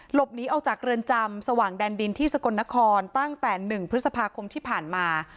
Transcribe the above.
หลบหนีออกจากเรือนจำสว่างแดนดินที่สกลนครตั้งแต่๑พฤษภาคมที่ผ่านมา